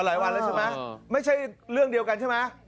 หลายวันแล้วใช่ไหมไม่ใช่เรื่องเดียวกันใช่ไหม